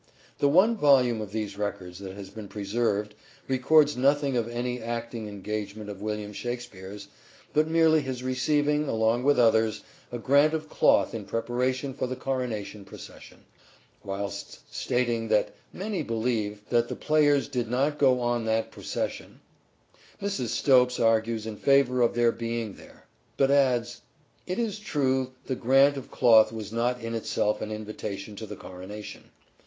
The one volume of these records that has been preserved records nothing of any acting engagement of William Shakspere's, but merely his receiving, along with others, a grant of cloth in preparation for the coronation procession. Whilst stating that "many believe ... that the players did not go on that procession," Mrs. Stopes argues in favour of their being there ; but adds : "it is true the grant of cloth was not in itself an invitation to the corona tion."